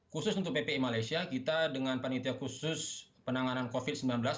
khusus untuk ppi malaysia kita dengan panitia khusus penanganan covid sembilan belas